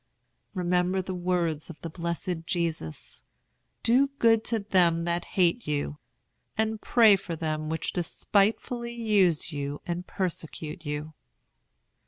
Remember the words of the blessed Jesus: "Do good to them that hate you, and pray for them which despitefully use you and persecute you."